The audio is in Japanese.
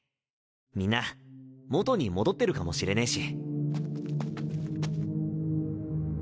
みんな元に戻ってるかもしれねえし。